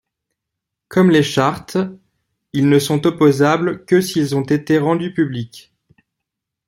Comme les chartes, ils ne sont opposables que s'ils ont été rendus publics.